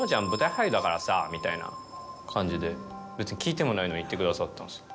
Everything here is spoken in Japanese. みたいな感じで別に聞いてもないのに言ってくださったんですよ。